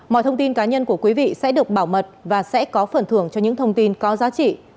mọi thông tin cá nhân của quý vị sẽ được bảo mật và sẽ có phần thưởng cho những thông tin có giá trị